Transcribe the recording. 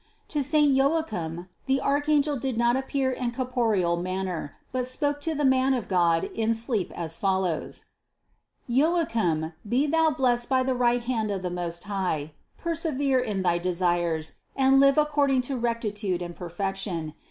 169. To saint Joachim the archangel did not appear in a corporeal manner, but he spoke to the man of God in sleep as follows : "Joacrrim> be thou blessed by the right hand of the Most High! Persevere in thy desires and live according to rectitude and perfection.